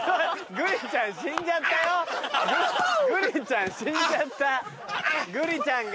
グリちゃんが。